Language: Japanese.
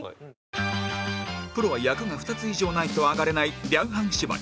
プロは役が２つ以上ないとアガれない二翻縛り